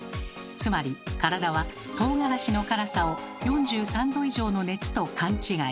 つまり体はとうがらしの辛さを４３℃以上の熱と勘違い。